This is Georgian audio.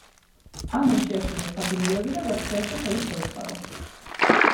ამან შეაშინა საბინელები და გაქცევაში ხელი შეუშალა.